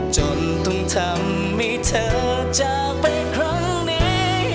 จนต้องทำให้เธอจากไปครั้งนี้